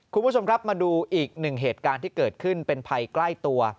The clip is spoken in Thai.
คุณผู้ชมครับมาดูอีกหนึ่งเหตุการณ์ที่เกิดขึ้นเป็นภัยใกล้ตัว